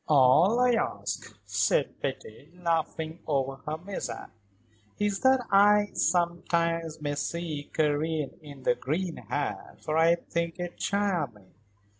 "All I ask," said Betty, laughing over her mishap, "is that I, sometimes, may see Karen in the green hat, for I think it charming."